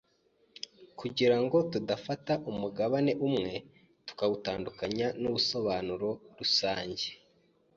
kugira ngo tudafata umugabane umwe tukawutandukanya n’ubusobanuro rusange.